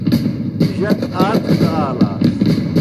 جک آتَھگہ آلاس۔